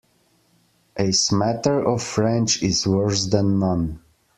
A smatter of French is worse than none.